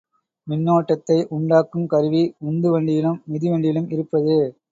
மின்னோட்டத்தை உண்டாக்கும் கருவி உந்து வண்டியிலும் மிதிவண்டியிலும் இருப்பது.